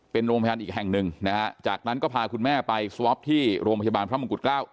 เป็นโรงพยาบาลอีกแห่งหนึ่งนะฮะจากนั้นก็พาคุณแม่ไปสวอปที่โรงพยาบาลพระมงกุฎเกล้า